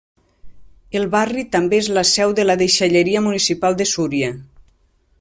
El barri també és la seu de la deixalleria municipal de Súria.